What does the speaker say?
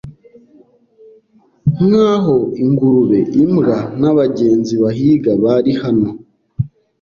Nkaho ingurube imbwa nabagenzi bahiga bari hano